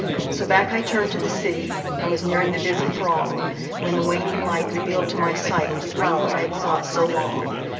So back I turned to the city, And was nearing the busy throng, When the waning light revealed to my sight The flower I had sought so long.